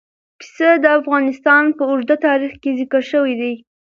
پسه د افغانستان په اوږده تاریخ کې ذکر شوي دي.